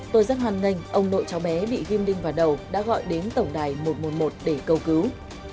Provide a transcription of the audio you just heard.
tôi rất hoàn nganh ông nội cháu bé bị ghim đinh vào đầu đã gọi đến tổng đài một trăm một mươi một để cầu cứu